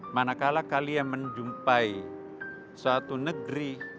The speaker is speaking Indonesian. manakala kalian menjumpai satu negeri